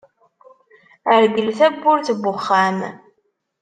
Rgel tawwurt n uxxam.